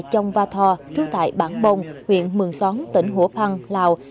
chong va tho trú tại bản bông huyện mường xoắn tỉnh hùa phan lào